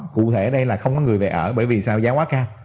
cụ thể đây là không có người về ở bởi vì sao giá quá cao